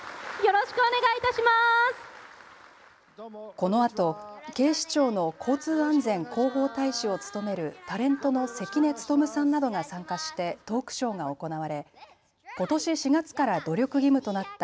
このあと警視庁の交通安全広報大使を務めるタレントの関根勤さんなどが参加してトークショーが行われことし４月から努力義務となった